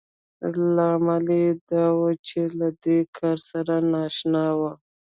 لامل يې دا و چې له دې کار سره نااشنا وو.